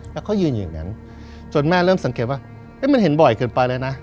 แล้วเขายืนอยู่อย่างนั้นจนแม่เริ่มสังเกตว่ามันเห็นบ่อยเกินไปแล้วนะ